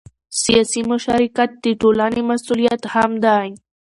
سیاسي مشارکت د ټولنې مسؤلیت هم دی